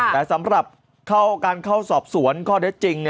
แต่สำหรับการเข้าสอบสวนข้อเท็จจริง